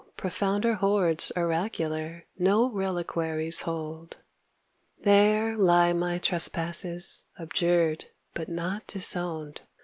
profounder hoards oracular No reliquaries hold. There lie my trespasses, Abjured but not disowned.